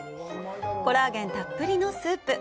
コラーゲンたっぷりのスープ。